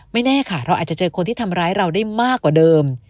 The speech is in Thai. แน่ค่ะเราอาจจะเจอคนที่ทำร้ายเราได้มากกว่าเดิม